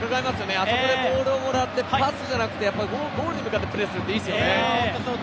あそこでボールをもらって、パスじゃなくて、ゴールに向かってプレスするのがいいですよね。